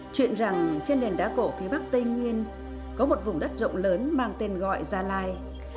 chuyện rằng trên nền đá cổ phía bắc tây nguyên có một vùng đất rộng lớn mang tên gọi gia lai